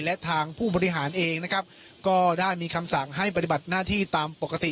และทางผู้บริหารเองนะครับก็ได้มีคำสั่งให้ปฏิบัติหน้าที่ตามปกติ